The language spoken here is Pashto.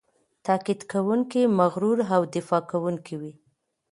تاکید کوونکی، مغرور او دفاع کوونکی وي.